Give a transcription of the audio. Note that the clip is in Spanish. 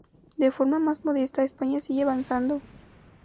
De forma más modesta, España sigue avanzando.